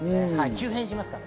急変します。